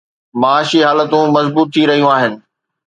معاشي حالتون مضبوط ٿي رهيون آهن.